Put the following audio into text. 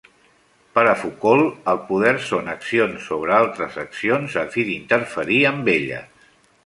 Per a Foucault, el poder són accions sobre altres accions a fi d'interferir amb elles.